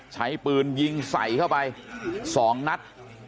ใช้ปืนยิงใส่เข้าไป๒นัด